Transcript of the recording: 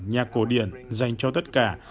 nhạc cổ điển dành cho tất cả